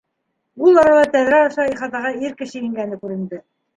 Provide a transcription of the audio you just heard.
Ул арала тәҙрә аша ихатаға ир кеше ингәне күренде.